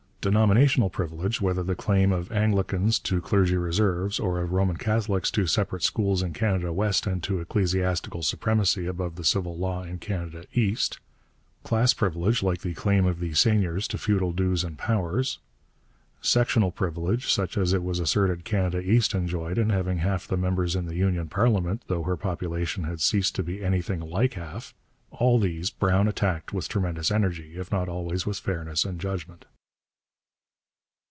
Denominational privilege, whether the claim of Anglicans to clergy reserves, or of Roman Catholics to separate schools in Canada West and to ecclesiastical supremacy above the civil law in Canada East; class privilege, like the claim of the seigneurs to feudal dues and powers; sectional privilege, such as it was asserted Canada East enjoyed in having half the members in the Union parliament though her population had ceased to be anything like half all these Brown attacked with tremendous energy, if not always with fairness and judgment.